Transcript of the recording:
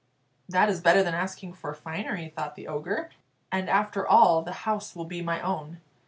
"That is better than asking for finery," thought the Ogre; "and after all the house will be my own."